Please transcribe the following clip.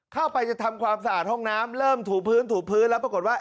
เข้าไปจะทำความสะอาดห้องน้ำเริ่มถูพื้นถูพื้นแล้วปรากฏว่า